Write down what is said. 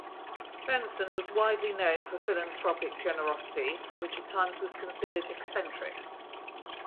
Benson was widely known for philanthropic generosity which at times was considered eccentric.